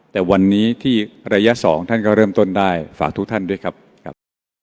แต่วันนี้ที่ระยะสองท่านก็เริ่มต้นได้ฝากทุกท่านด้วยครับ